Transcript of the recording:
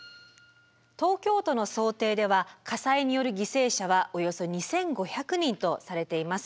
東京都の想定では火災による犠牲者はおよそ２，５００人とされています。